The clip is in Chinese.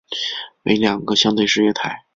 为两个相对式月台。